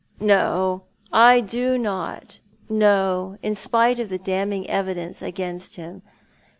"No, I do not— no, in spite of the damning evidence against him.